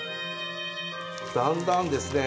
だんだんですね